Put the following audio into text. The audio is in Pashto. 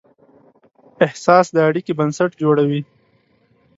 احساس د اړیکې بنسټ جوړوي.